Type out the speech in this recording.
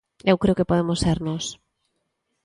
Eu creo que podemos ser nós.